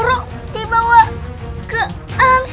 mungkin k topuk mereka tolak